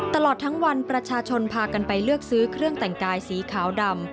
ตลอดทั้งวันประชาชนพากันไปเลือกซื้อเครื่องแต่งกายสีขาวดำ